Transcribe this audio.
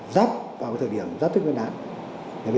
dắt vào thời điểm dắt thết quyền đáng